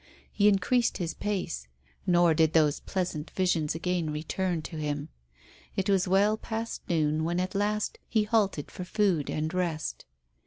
He increased his pace, nor did those pleasant visions again return to him. It was well past noon when at last he halted for food and rest.